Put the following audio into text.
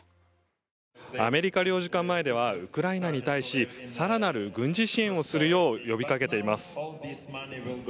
アメリカ領事館前ではウクライナに対し更なる軍事支援をするよう呼びかけています。